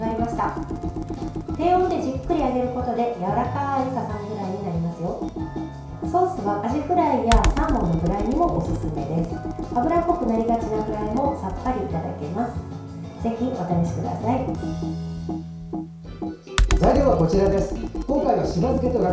脂っこくなりがちなフライもさっぱりいただけます。